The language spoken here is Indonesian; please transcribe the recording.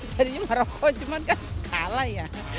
jadinya maroko cuman kan kalah ya